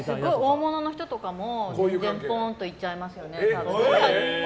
大物の人とかもポーンっていっちゃいますよね。